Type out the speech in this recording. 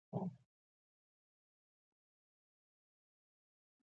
یو استازی لېږلی وو.